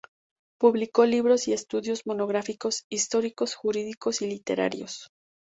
Publicó libros y estudios monográficos, históricos, jurídicos y literarios.